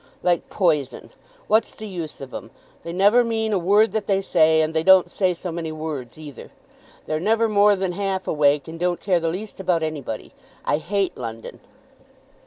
"Like poison. What's the use of 'em? They never mean a word that they say, and they don't say so many words either. They're never more than half awake, and don't care the least about anybody. I hate London."